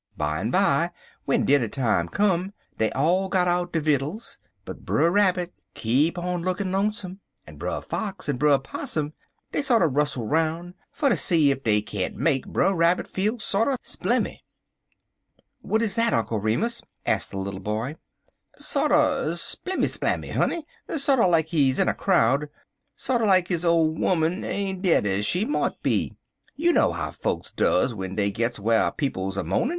"Bimeby, w'en dinner time come, dey all got out der vittles, but Brer Rabbit keep on lookin' lonesome, en Brer Fox en Brer Possum dey sorter rustle roun' fer ter see ef dey can't make Brer Rabbit feel sorter splimmy." "What is that, Uncle Remus?" asked the little boy. "Sorter splimmy splammy, honey sorter like he in a crowd sorter like his ole 'oman ain't dead ez she mout be. You know how fokes duz w'en dey gits whar people's a moanin'."